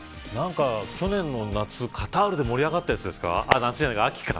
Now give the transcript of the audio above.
去年の夏、カタールで盛り上がったやつですか。